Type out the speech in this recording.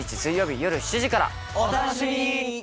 お楽しみに！